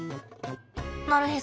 なるへそ。